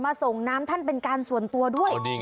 ส่งน้ำท่านเป็นการส่วนตัวด้วย